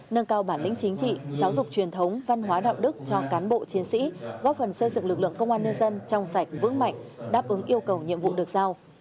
nâng cao bản lĩnh chính trị giáo dục truyền thống văn hóa đạo đức cho cán bộ chiến sĩ góp phần xây dựng lực lượng công an nhân dân trong sạch vững mạnh đáp ứng yêu cầu nhiệm vụ được giao